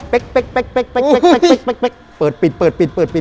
เป๊ะเป๊ะเป๊ะเป๊ะเป๊ะเป๊ะเป๊ะเป๊ะเป๊ะ